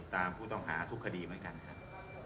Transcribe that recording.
ตามผู้ต้องหาทุกคดีเหมือนกันครับ